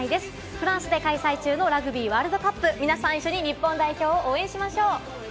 フランスで開催中のラグビーワールドカップ、皆さん、一緒に日本代表を応援しましょう！